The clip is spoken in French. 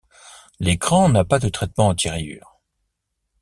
L'écran n'a pas de traitement anti-rayures.